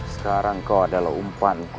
sekarang kau adalah umpanku